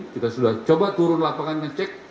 kita sudah coba turun lapangan ngecek